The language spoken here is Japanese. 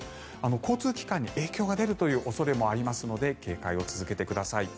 交通機関に影響が出るという恐れもありますので警戒を続けてください。